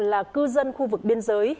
là cư dân khu vực biên giới